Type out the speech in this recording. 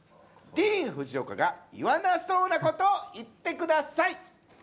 ディーン・フジオカが言わなそうなことを言ってください。